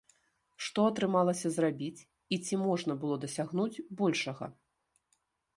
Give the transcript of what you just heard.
Што атрымалася зрабіць і ці можна было дасягнуць большага?